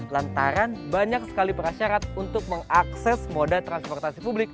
lantaran banyak sekali persyarat untuk mengakses moda transportasi publik